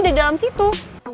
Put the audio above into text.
di dalam situ